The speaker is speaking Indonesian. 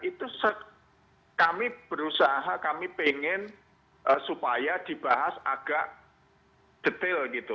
itu kami berusaha kami pengen supaya dibahas agak detail gitu